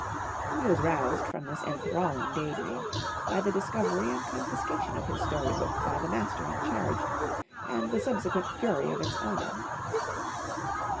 He was roused from this enthralling day dream by the discovery and confiscation of his story book by the master in charge, and the subsequent fury of its owner.